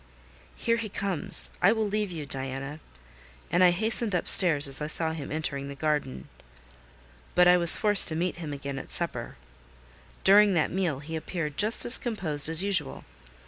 Here he comes! I will leave you, Diana." And I hastened upstairs as I saw him entering the garden. But I was forced to meet him again at supper. During that meal he appeared just as composed as usual.